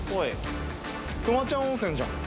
くまちゃん温泉じゃん。